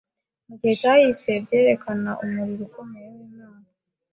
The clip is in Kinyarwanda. mu gihe cyahise byerekana umurimo ukomeye w'Imana